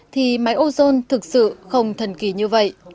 thì máy ozone thực sự không thần kỳ như vậy